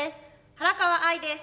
原川愛です。